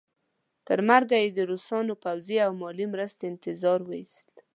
تر مرګه یې د روسانو پوځي او مالي مرستې انتظار وایست.